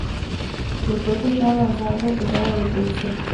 El cuerpo estaba en avanzado estado de descomposición.